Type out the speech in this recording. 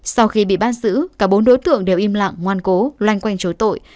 sau khi bị bắt giữ cả bốn đối tượng đều im lặng ngoan cố loanh quanh chối tội